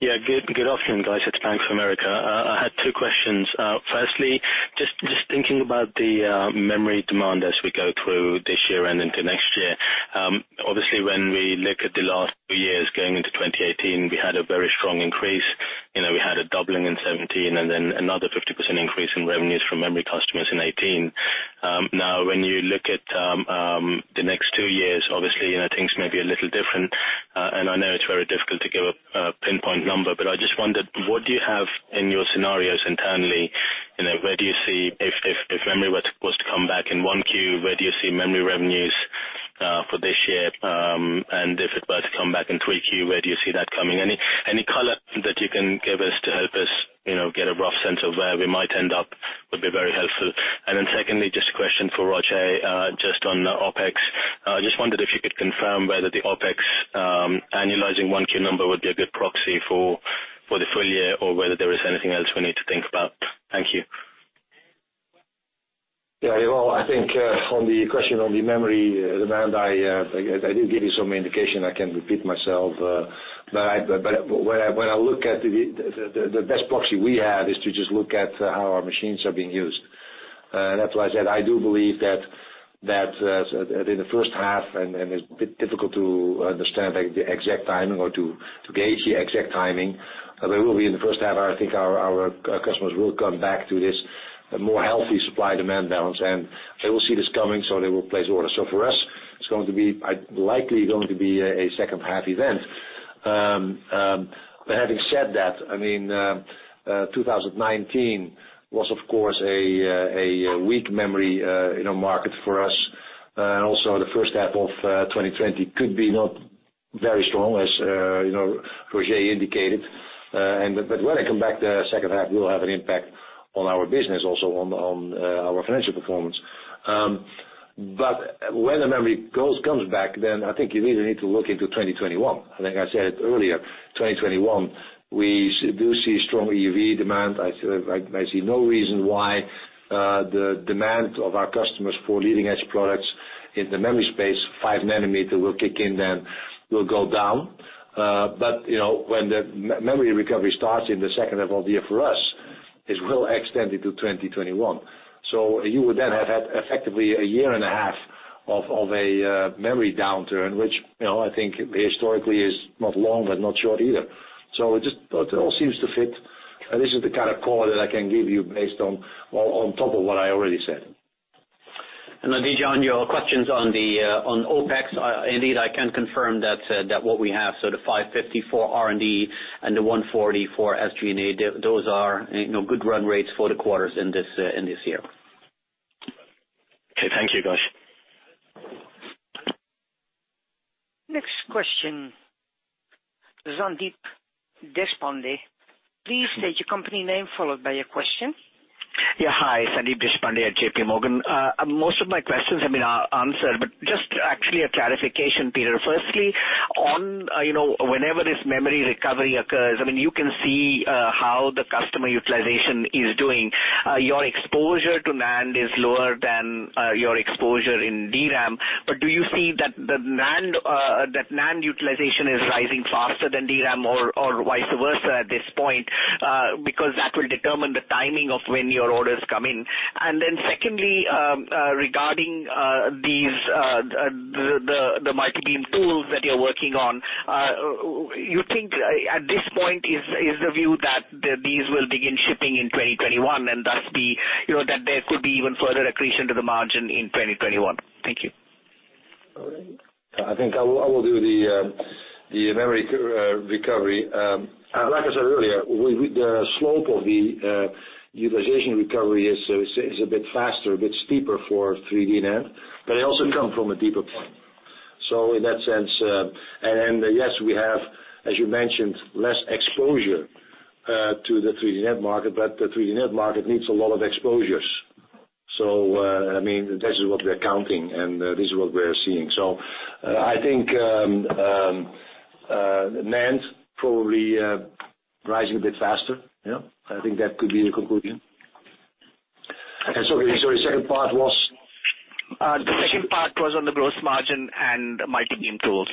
Yeah. Good afternoon, guys. It's Bank of America. I had two questions. Firstly, just thinking about the memory demand as we go through this year and into next year. Obviously, when we look at the last two years going into 2018, we had a very strong increase. We had a doubling in 2017 and then another 50% increase in revenues from memory customers in 2018. Now, when you look at the next two years, obviously, things may be a little different. I know it's very difficult to give a pinpoint number, but I just wondered, what do you have in your scenarios internally? If memory were supposed to come back in 1Q, where do you see memory revenues for this year? If it were to come back in 3Q, where do you see that coming? Any color that you can give us to help us get a rough sense of where we might end up would be very helpful. Secondly, just a question for Roger, just on the OpEx. Just wondered if you could confirm whether the OpEx annualizing 1 Q number would be a good proxy for the full year or whether there is anything else we need to think about. Thank you. Yeah. Well, I think on the question on the memory demand, I did give you some indication. I can repeat myself. When I look at the best proxy we have is to just look at how our machines are being used. That's why I said, I do believe that in the first half, and it's a bit difficult to understand the exact timing or to gauge the exact timing, but we will be in the first half. I think our customers will come back to this more healthy supply-demand balance, and they will see this coming, so they will place orders. For us, it's likely going to be a second-half event. Having said that, 2019 was, of course, a weak memory in our market for us. Also the first half of 2020 could be not very strong, as Roger indicated. When they come back the second half, we will have an impact on our business also on our financial performance. When the memory comes back, then I think you really need to look into 2021. Like I said earlier, 2021, we do see strong EUV demand. I see no reason why the demand of our customers for leading-edge products in the memory space, 5 nanometer will kick in then will go down. When the memory recovery starts in the second half of the year for us, it will extend into 2021. You would then have had effectively a year and a half of a memory downturn, which I think historically is not long, but not short either. It all seems to fit. This is the kind of call that I can give you based on top of what I already said. Adithya, on your questions on OpEx, indeed, I can confirm that what we have, so the 550 for R&D and the 140 for SG&A, those are good run rates for the quarters in this year. Okay. Thank you, guys. Next question, Sandeep Deshpande. Please state your company name followed by your question. Hi, Sandeep Deshpande at JPMorgan. Most of my questions have been answered, but just actually a clarification, Peter. Firstly, whenever this memory recovery occurs, you can see how the customer utilization is doing. Your exposure to NAND is lower than your exposure in DRAM. Do you see that NAND utilization is rising faster than DRAM or vice versa at this point? Because that will determine the timing of when your orders come in. Then secondly, regarding the multi-beam tools that you're working on, you think at this point is the view that these will begin shipping in 2021, and thus that there could be even further accretion to the margin in 2021? Thank you. I think I will do the memory recovery. Like I said earlier, the slope of the utilization recovery is a bit faster, a bit steeper for 3D NAND, but it also come from a deeper point. In that sense, and yes, we have, as you mentioned, less exposure to the 3D NAND market, but the 3D NAND market needs a lot of exposures. This is what we're counting, and this is what we're seeing. I think NAND probably rising a bit faster. Yeah. I think that could be the conclusion. Sorry, the second part was? The second part was on the gross margin and multi-beam tools.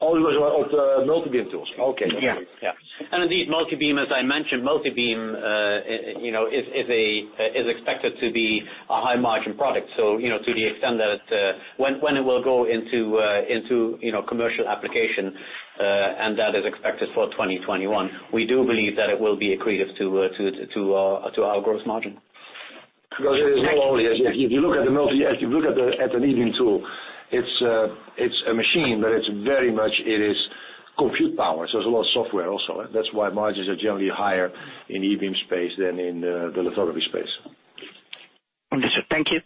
Oh, it was on multi-beam tools. Okay. Yeah. Yeah. Indeed, multi-beam, as I mentioned, multi-beam is expected to be a high-margin product. To the extent that when it will go into commercial application, and that is expected for 2021, we do believe that it will be accretive to our gross margin. It is not only if you look at an e-beam tool it's a machine, but it is very much compute power, so it's a lot of software also. That's why margins are generally higher in e-beam space than in the lithography space. Understood. Thank you.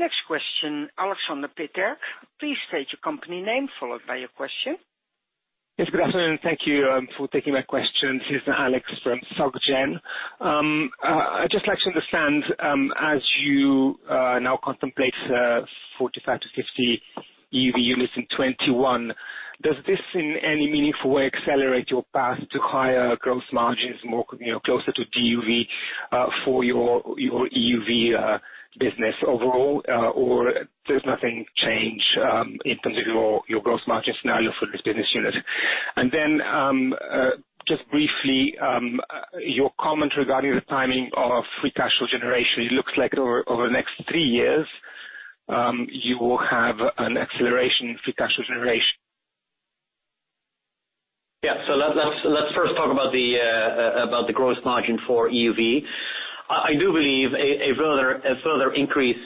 Next question, Alexander Peterc. Please state your company name, followed by your question. Yes, good afternoon. Thank you for taking my question. This is Alexander from Societe Generale. I'd just like to understand, as you now contemplate 45 to 50 EUV units in 2021, does this in any meaningful way accelerate your path to higher gross margins, closer to DUV for your EUV business overall? There's nothing change in terms of your gross margin scenario for this business unit? Just briefly, your comment regarding the timing of free cash flow generation. It looks like over the next three years, you will have an acceleration in free cash flow generation. Yeah. Let's first talk about the gross margin for EUV. I do believe a further increase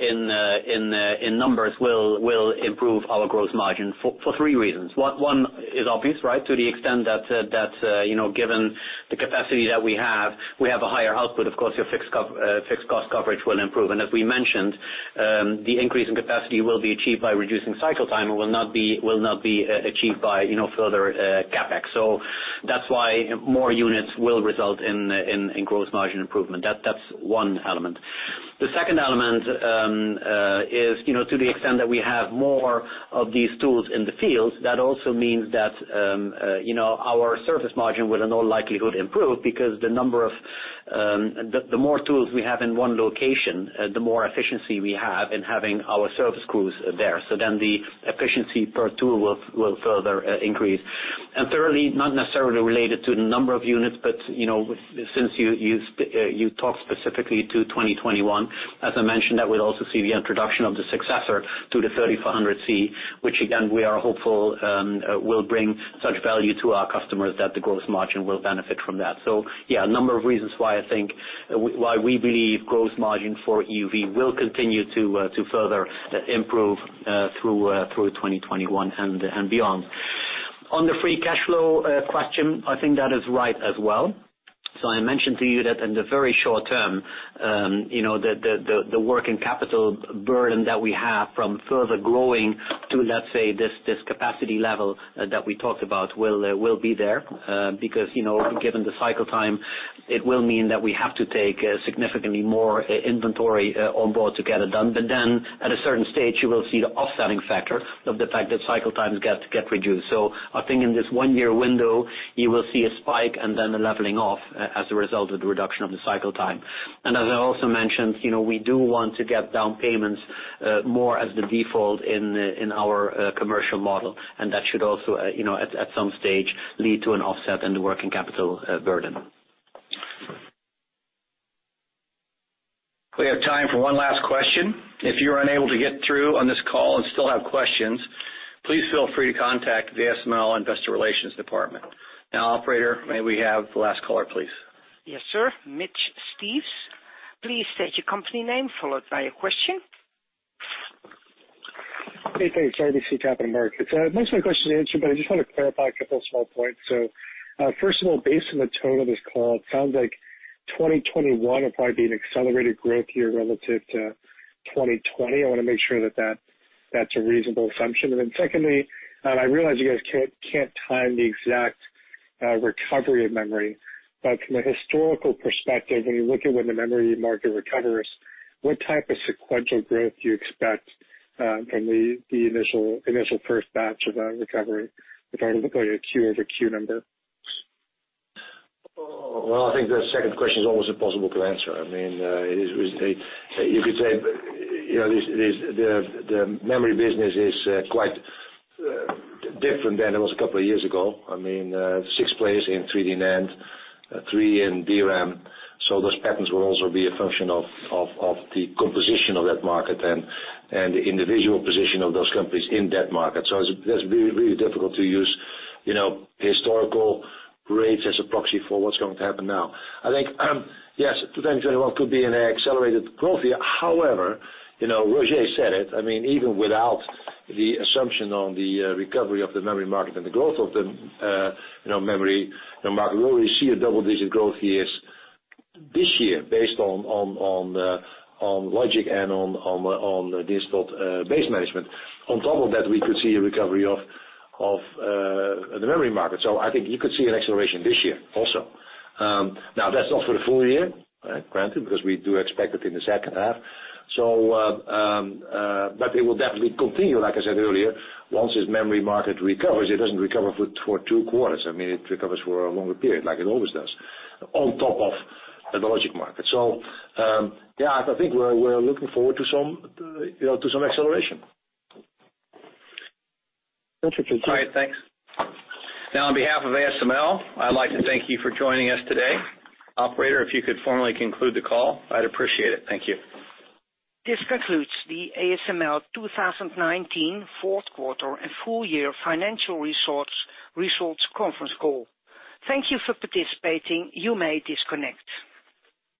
in numbers will improve our gross margin for three reasons. One is obvious, right? To the extent that given the capacity that we have, we have a higher output. Of course, your fixed cost coverage will improve. As we mentioned, the increase in capacity will be achieved by reducing cycle time and will not be achieved by further CapEx. That's why more units will result in gross margin improvement. That's one element. The second element is to the extent that we have more of these tools in the field, that also means that our service margin will, in all likelihood, improve because the more tools we have in one location, the more efficiency we have in having our service crews there. The efficiency per tool will further increase. Thirdly, not necessarily related to the number of units, but since you talked specifically to 2021, as I mentioned, that we'll also see the introduction of the successor to the 3,400C, which again, we are hopeful will bring such value to our customers that the gross margin will benefit from that. Yeah, a number of reasons why we believe gross margin for EUV will continue to further improve through 2021 and beyond. On the free cash flow question, I think that is right as well. I mentioned to you that in the very short term, the working capital burden that we have from further growing to, let's say, this capacity level that we talked about will be there, because given the cycle time, it will mean that we have to take significantly more inventory on board to get it done. At a certain stage, you will see the offsetting factor of the fact that cycle times get reduced. I think in this one-year window, you will see a spike and then a leveling off as a result of the reduction of the cycle time. As I also mentioned, we do want to get down payments more as the default in our commercial model, and that should also, at some stage, lead to an offset in the working capital burden. We have time for one last question. If you were unable to get through on this call and still have questions, please feel free to contact the ASML Investor Relations Department. Now, Operator, may we have the last caller, please? Yes, sir. Mitch Steves, please state your company name followed by your question. Hey, thanks. RBC Capital Markets. Most of my questions are answered, but I just want to clarify a couple small points. First of all, based on the tone of this call, it sounds like 2021 will probably be an accelerated growth year relative to 2020. I want to make sure that that's a reasonable assumption. Then secondly, and I realize you guys can't time the exact recovery of memory, but from a historical perspective, when you look at when the memory market recovers, what type of sequential growth do you expect from the initial first batch of that recovery, regarding looking at your Q-over-Q number? Well, I think the second question is almost impossible to answer. The memory business is quite different than it was a couple of years ago. six players in 3D NAND, three in DRAM. Those patterns will also be a function of the composition of that market and the individual position of those companies in that market. That's really difficult to use historical rates as a proxy for what's going to happen now. I think, yes, 2021 could be an accelerated growth year. However, Roger said it, even without the assumption on the recovery of the memory market and the growth of the memory market, we already see a double-digit growth this year based on logic and on this base management. On top of that, we could see a recovery of the memory market. I think you could see an acceleration this year also. That's not for the full year, granted, because we do expect it in the second half. It will definitely continue, like I said earlier. Once this memory market recovers, it doesn't recover for two quarters. It recovers for a longer period like it always does, on top of the logic market. Yeah, I think we're looking forward to some acceleration. Interesting. Thank you. All right. Thanks. On behalf of ASML, I'd like to thank you for joining us today. Operator, if you could formally conclude the call, I'd appreciate it. Thank you. This concludes the ASML 2019 fourth quarter and full year financial results conference call. Thank you for participating. You may disconnect.